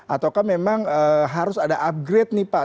ataukah memang harus ada upgrade nih pak